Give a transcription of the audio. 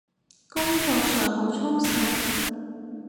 工作上好充實？